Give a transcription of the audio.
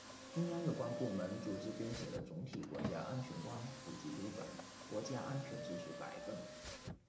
中央有关部门组织编写了总体国家安全观普及读本——《国家安全知识百问》